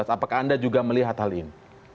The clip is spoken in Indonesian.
apakah anda juga melihat hal ini